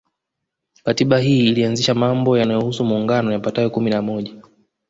Katiba hii ilianzisha mambo yanayohusu muungano yapatayo kumi na moja